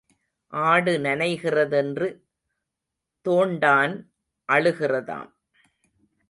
ஆடு நனைகிறதென்று தோண்டான் அழுகிறதாம்.